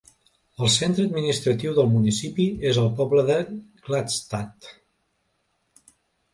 El centre administratiu del municipi és el poble de Gladstad.